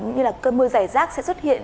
như là cơn mưa rải rác sẽ xuất hiện